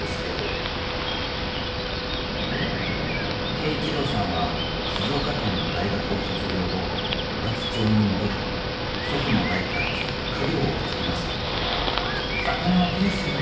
恵一郎さんは静岡県の大学を卒業後雄勝町に戻り祖父の代から続く家業を継ぎました